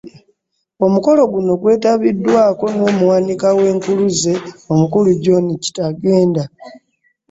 ”Omukolo guno gwetabiddwako n’Omuwanika w’Enkuluze, Omukulu John Kitenda.